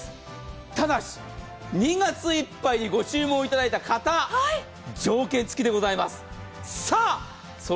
ただし２月いっぱいにご注文いただいた方条件付きでございます。